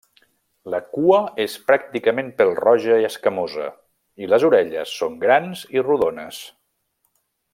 La cua és pràcticament pèl-roja i escamosa, i les orelles són grans i rodones.